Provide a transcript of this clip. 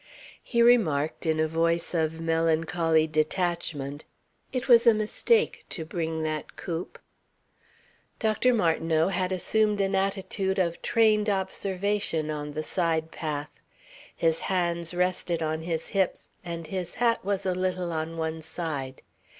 He remarked in a voice of melancholy detachment: "It was a mistake to bring that coupe." Dr. Martineau had assumed an attitude of trained observation on the side path. His hands rested on his hips and his hat was a little on one side.